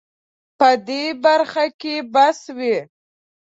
په دې برخه کې بس وي